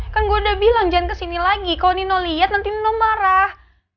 kan gue udah bilang jangan kesini lagi kalau nino lihat nanti nino marah